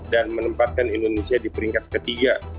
dan menempatkan indonesia di peringkat ketiga